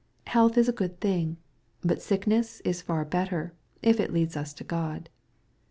Health is a good thing ; but sickness is far better, if it leads us to God.